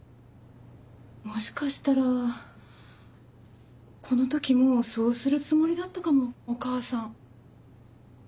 もしかしたらこの時もうそうするつもりだったかもお母さん。